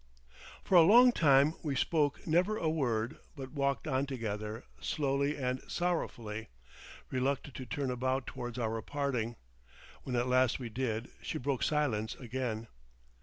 For a long time we spoke never a word, but walked on together, slowly and sorrowfully, reluctant to turn about towards our parting. When at last we did, she broke silence again.